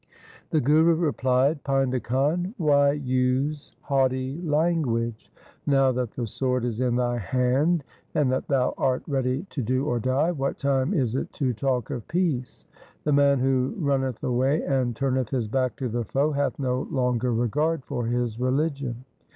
The Guru replied, ' Painda Khan, why use haughty language ? Now that the sword is in thy hand and that thou art ready to do or die, what time is it to talk of peace ? The man who runneth away and turneth his back to the foe, hath no longer regard for his religion.